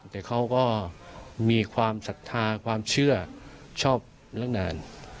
แต่เขาก็มีความศรัทธาความเชื่อชอบเรื่องงาน